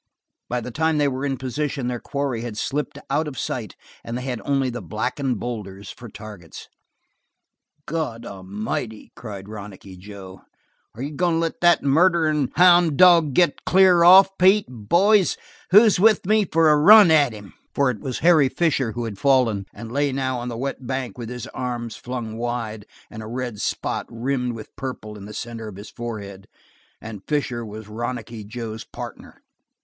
By the time they were in position their quarry had slipped out of sight and they had only the blackening boulders for targets. "God amighty," cried Ronicky Joe, "are you goin' to let that murderin' hound dog get clear off, Pete? Boys, who's with me for a run at him?" For it was Harry Fisher who had fallen and lay now on the wet bank with his arms flung wide and a red spot rimmed with purple in the center of his forehead; and Fisher was Ronicky Joe's partner.